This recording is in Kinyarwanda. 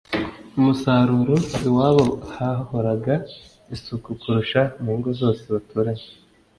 umusaruro. Iwabo hahoraga isuku kurusha mu ngo zose baturanye.